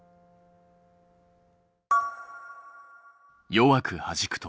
弱くはじくと。